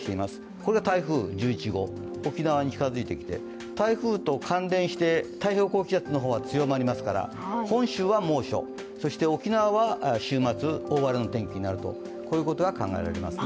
これが台風１１号、沖縄に近づいてきて台風に関連して太平洋高気圧の方は強まりますから本州は猛暑、そして沖縄は週末大荒れの天気になることが考えられますね。